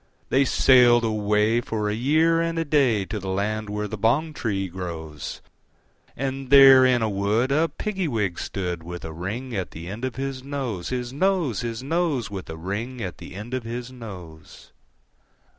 They sailed away, for a year and a day, To the land where the bong tree grows; And there in a wood a Piggy wig stood, With a ring at the end of his nose, His nose, His nose, With a ring at the end of his nose.